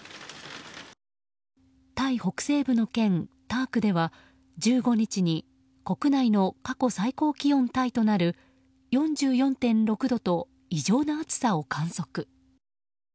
タイ北西部の県タークでは１５日に国内の過去最高気温タイとなる４４．６度と異常な暑さを観測。